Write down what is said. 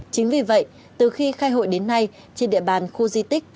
chính vì vậy từ khi khai hội đến nay trên địa bàn khu di tích